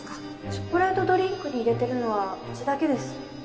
チョコレートドリンクに入れてるのはうちだけです。